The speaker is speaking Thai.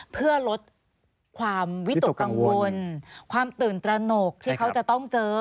เพื่อลดความวิตกกังวลความตื่นตระหนกที่เขาจะต้องเจอ